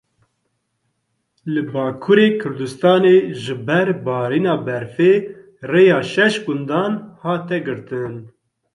Li Bakurê Kurdistanê ji ber barîna berfê rêya şeş gundan hat girtin.